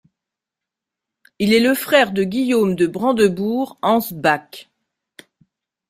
Il est le frère de Guillaume de Brandebourg-Ansbach.